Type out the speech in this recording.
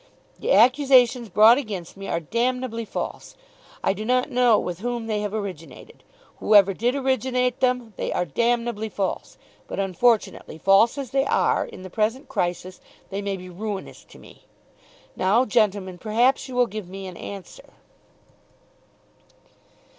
The accusations brought against me are damnably false. I do not know with whom they have originated. Whoever did originate them, they are damnably false. But unfortunately, false as they are, in the present crisis, they may be ruinous to me. Now gentlemen, perhaps you will give me an answer."